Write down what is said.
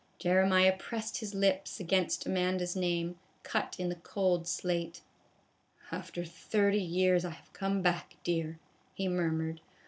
Jeremiah pressed his lips against Amanda's name, cut in the cold slate. " After thirty years 1 1 have come back, dear," he murmured.